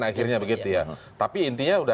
akhirnya begitu ya tapi intinya sudah